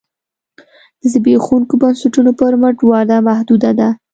د زبېښونکو بنسټونو پر مټ وده محدوده ده